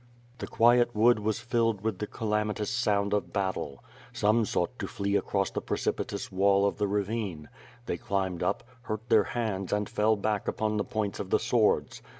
The quiet wood was filled with the 358 ^^f'^B ^^^^^^^ SWORD. calamitous sound of battle. Some sought to flee across the precipitous wall of the ravine. They climbed up, hurt their hands and fell back upon the points of the swords.